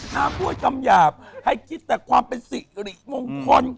พูดคำหยาบให้คิดแต่ความเป็นสิริมงคล